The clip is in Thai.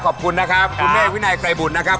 ขอบคุณนะครับคุณแม่วินัยไกรบุตรนะครับ